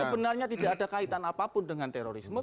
sebenarnya tidak ada kaitan apapun dengan terorisme